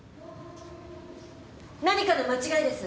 何かの間違いです。